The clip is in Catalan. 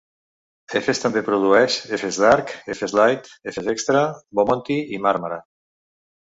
Efes també produeix Efes Dark, Efes Light, Efes Extra, Bomonti i Marmara.